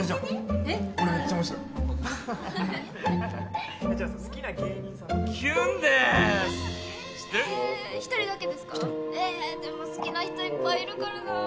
ええでも好きな人いっぱいいるからな。